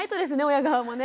親側もね。